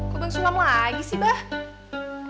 kok bungsulam lagi sih bah